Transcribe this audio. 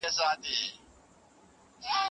محتکرین به خامخا د خپلو اعمالو سزا وویني.